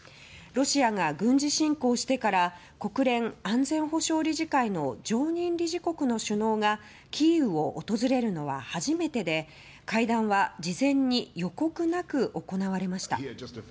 ロシアが軍事侵攻してから国連安全保障理事会の常任理事国の首脳がキーウを訪れるのは初めてで会談は事前に予告なく行われました。